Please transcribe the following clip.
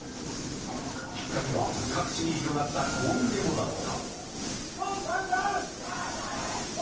きっかけは、各地に広がった抗議デモだった。